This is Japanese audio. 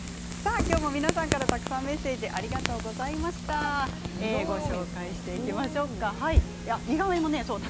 今日も皆さんからたくさんメッセージありがとうございました。